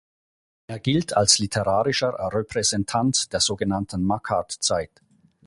Er gilt als literarischer Repräsentant der sogenannten Makart-Zeit.